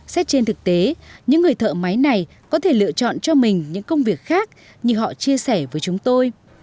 xét trên thực tế những người thợ máy này có thể lựa chọn cho mình những công việc khác như họ chia sẻ với chúng tôi